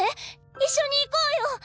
一緒に行こうよ！